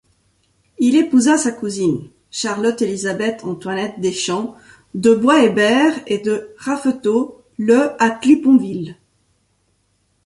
Il épousa sa cousine, Charlotte-Élisabeth-Antoinette Deschamps de Boishébert et de Raffetot le à Cliponville.